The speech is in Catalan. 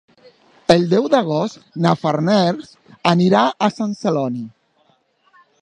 El deu d'agost na Farners anirà a Sant Celoni.